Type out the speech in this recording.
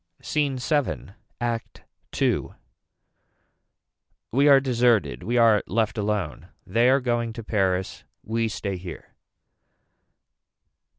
SCENE VII. ACT II. We are deserted. We are left alone. They are going to Paris. We stay here.